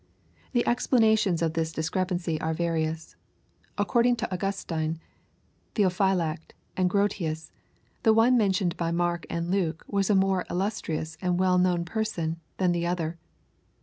The explanations of the discrepancy are various. According to Augustine, TheophyJact, and Q rotius, the one mentioned by Mark and Luke was a more illustrious and well known person than the other.